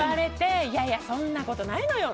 いやいや、そんなことないのよ